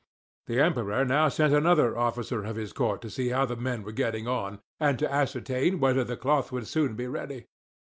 The Emperor now sent another officer of his court to see how the men were getting on, and to ascertain whether the cloth would soon be ready.